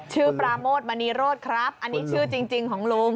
ปราโมทมณีโรธครับอันนี้ชื่อจริงของลุง